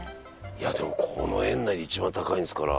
いやでもこの園内で一番高いんですから。